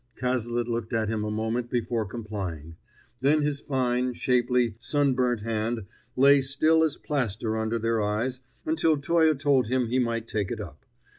Cazalet looked at him a moment before complying; then his fine, shapely, sunburnt hand lay still as plaster under their eyes until Toye told him he might take it up.